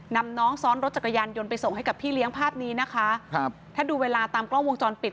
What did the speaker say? น้องซ้อนรถจักรยานยนต์ไปส่งให้กับพี่เลี้ยงภาพนี้นะคะครับถ้าดูเวลาตามกล้องวงจรปิด